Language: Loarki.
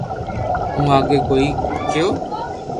ھون آگي ڪوئي ڪوئي ڪيو